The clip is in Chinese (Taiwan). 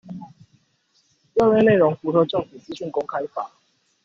調閱內容符合政府資訊公開法